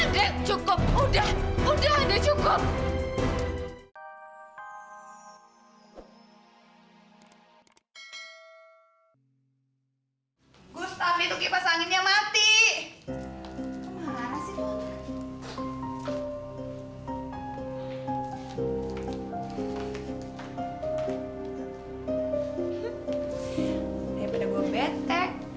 daripada gue betek